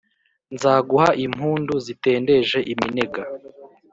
nzaguha impundu zitendeje iminega